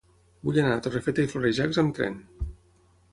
Vull anar a Torrefeta i Florejacs amb tren.